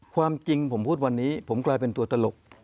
ความจริงผมพูดวันนี้ผมกลายเป็นตัวตลก